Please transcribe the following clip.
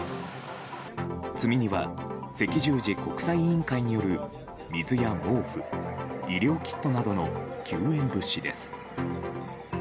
積み荷は赤十字国際委員会による水や毛布、医療キットなどの救援物資です。